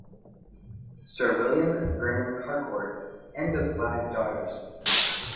Sir William Vernon Harcourt, and of five daughters.